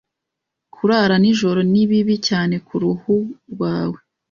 Kurara nijoro ni bibi cyane kuruhu rwawe.